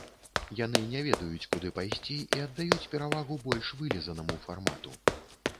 Яны не ведаюць, куды пайсці, і аддаюць перавагу больш вылізанаму фармату.